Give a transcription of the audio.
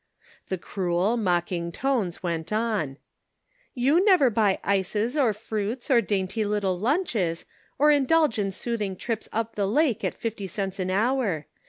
The cruel, mocking tones went on :" You never buy ices or fruits or dainty little lunches, or indulge in soothing trips up the lake at fifty cents an hour.